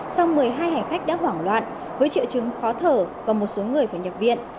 sau một mươi hai hành khách đã hoảng loạn với triệu chứng khó thở và một số người phải nhập viện